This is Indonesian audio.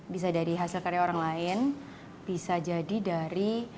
bisa dari hasil karya orang lain bisa jadi dari